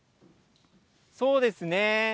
そうですね。